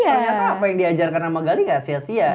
ternyata apa yang diajarkan sama gali gak sia sia